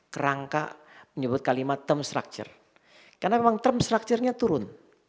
kerangka menyebut kalimat term structure karena memang term structure nya turun